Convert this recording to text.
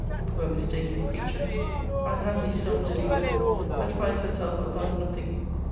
Poor mistaken creature! Unhappy self deluder! that finds herself above nothing!